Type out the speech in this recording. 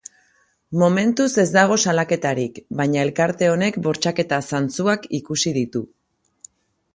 Momentuz ez dago salaketarik, baina elkarte honek bortxaketa zantzuak ikusi ditu.